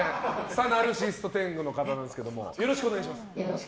ナルシシスト天狗の方ですけどよろしくお願いします。